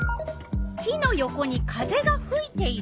火の横に風がふいている。